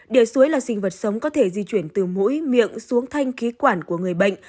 địa suối là sinh vật sống có thể di chuyển từ mũi miệng xuống thanh khí quản của người bệnh